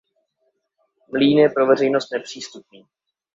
Mlýn je pro veřejnost nepřístupný.